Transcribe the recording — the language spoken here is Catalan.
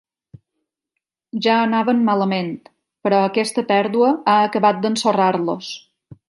Ja anaven malament, però aquesta pèrdua ha acabat d'ensorrar-los.